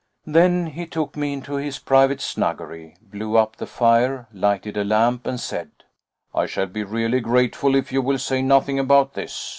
Then he took me into his private snuggery, blew up the fire, lighted a lamp, and said: "I shall be really grateful if you will say nothing about this.